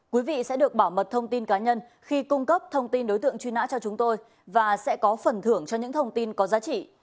quý vị sẽ được bảo mật thông tin cá nhân khi cung cấp thông tin đối tượng truy nã cho chúng tôi và sẽ có phần thưởng cho những thông tin có giá trị